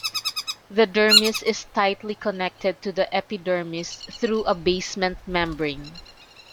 The dermis is tightly connected to the epidermis through a basement membrane.